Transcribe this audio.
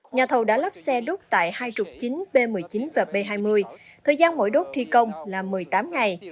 nhà thầu đã lắp xe đốt tại hai trục chính b một mươi chín và b hai mươi thời gian mỗi đốt thi công là một mươi tám ngày